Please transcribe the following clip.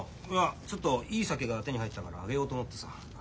ちょっといい酒が手に入ったからあげようと思ってさ。